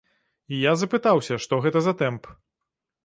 І я запытаўся, што гэта за тэмп.